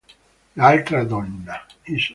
L'altra donna